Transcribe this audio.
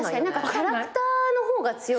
キャラクターの方が強くて。